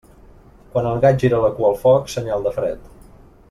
Quan el gat gira la cua al foc, senyal de fred.